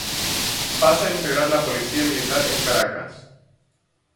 Pasa a integrar la Policía Militar en Caracas.